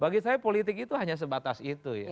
bagi saya politik itu hanya sebatas itu ya